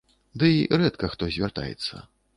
Дый рэдка хто звяртаецца.